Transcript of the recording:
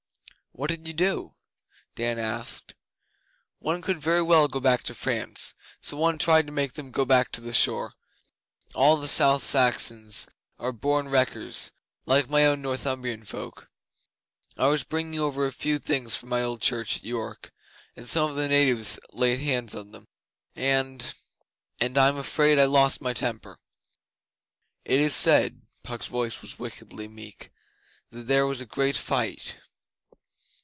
'What did you do?' Dan asked. 'One couldn't very well go back to France, so one tried to make them go back to the shore. All the South Saxons are born wreckers, like my own Northumbrian folk. I was bringing over a few things for my old church at York, and some of the natives laid hands on them, and and I'm afraid I lost my temper.' 'It is said ' Puck's voice was wickedly meek 'that there was a great fight.